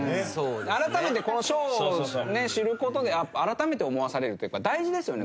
改めてこの賞を知る事で改めて思わされるというか大事ですよね